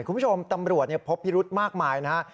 คุณผู้ชมตำรวจพบพิรุธมากมายนะฮะ